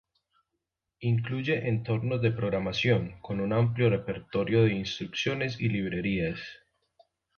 Incluye entorno de programación, con un amplio repertorio de instrucciones y librerías.